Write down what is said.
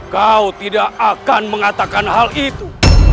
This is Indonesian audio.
kau tidak akan mengatakan hal itu